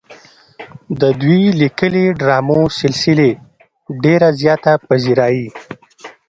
د دوي ليکلې ډرامو سلسلې ډېره زياته پذيرائي